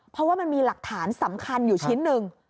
เพราะว่ามันมีหลักฐานสำคัญอยู่ชิ้นหนึ่ง